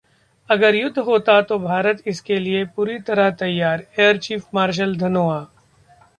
अगर युद्ध हुआ तो भारत इसके लिए पूरी तरह तैयार: एयर चीफ मार्शल धनोआ